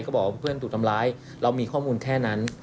บอกว่าเพื่อนถูกทำร้ายเรามีข้อมูลแค่นั้น